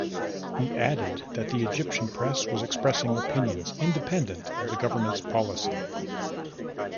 He added that the Egyptian press was expressing opinions independent of the government's policy.